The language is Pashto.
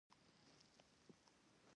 نوم او یاد یې په کتابونو او ذهنونو کې ګرځي.